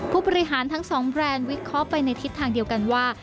ผู้บริหารทั้งสองแบรนด์วิเคราะห์ไปในทิศทางเดียวกันว่า